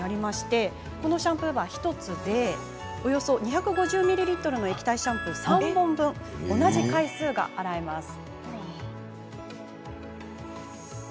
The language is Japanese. このシャンプーバー１つでおよそ２５０ミリリットルの液体シャンプー３本分同じ回数が洗えます。